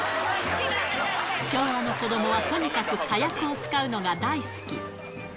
昭和の子どもは、とにかく火薬を使うのが大好き。